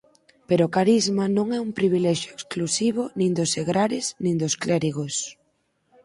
Pero o carisma non é un privilexio exclusivo nin dos segrares nin dos clérigos.